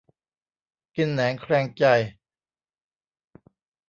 กินแหนงแคลงใจ